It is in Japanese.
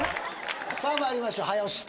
さあまいりましょう早押し